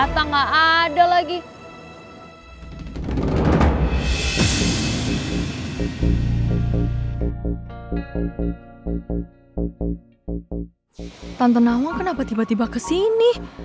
tante aku kenapa tiba tiba kesini